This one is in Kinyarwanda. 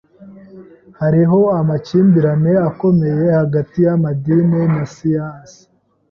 Hariho amakimbirane akomeye hagati y’amadini na siyansi